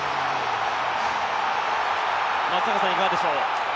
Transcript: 松坂さんいかがでしょう。